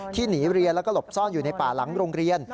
หนีเรียนแล้วก็หลบซ่อนอยู่ในป่าหลังโรงเรียน